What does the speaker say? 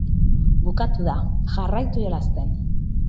Bukatu da! Jarraitu jolasten